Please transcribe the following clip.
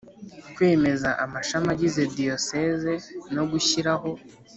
Kwemeza amashami agize diyoseze no gushyiraho